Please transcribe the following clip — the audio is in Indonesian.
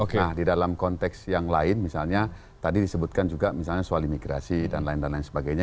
nah di dalam konteks yang lain misalnya tadi disebutkan juga misalnya soal imigrasi dan lain lain sebagainya